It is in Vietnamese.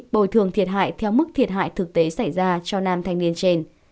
bồi thường thiệt hại theo mức thiệt hại thực tế xảy ra cho nam thanh niên trên